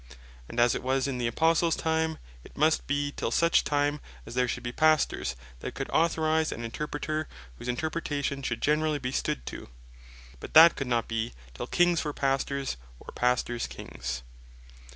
And as it was in the Apostles time, it must be till such time as there should be Pastors, that could authorise an Interpreter, whose Interpretation should generally be stood to: But that could not be till Kings were Pastors, or Pastors Kings.